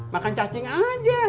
makan cacing aja